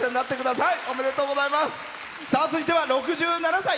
続いては６７歳。